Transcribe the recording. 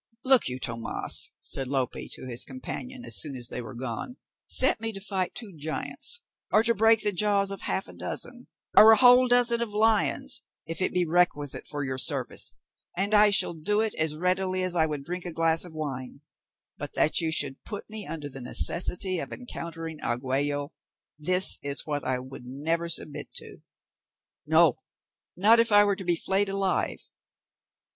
"Look you, Tomas," said Lope to his companion, as soon as they were gone, "set me to fight two giants, or to break the jaws of half a dozen, or a whole dozen of lions, if it be requisite for your service, and I shall do it as readily as I would drink a glass of wine; but that you should put me under the necessity of encountering Argüello, this is what I would never submit to, no, not if I were to be flayed alive.